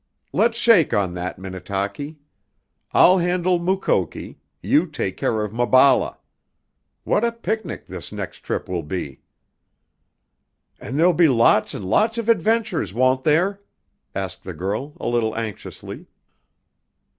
"Let's shake on that, Minnetaki! I'll handle Mukoki, you take care of Maballa. What a picnic this next trip will be!" "And there'll be lots and lots of adventures, won't there?" asked the girl a little anxiously.